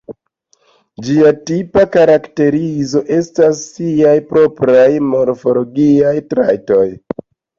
Ĝia tipa karakterizo estas siaj propraj morfologiaj trajtoj.